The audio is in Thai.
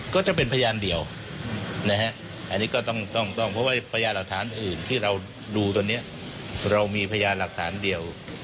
ก็จะเป็นพยานเดียวนะฮะอันนี้ก็ต้องต้องต้องเพราะว่าพยานหลักฐานอื่นที่เราดูตอนนี้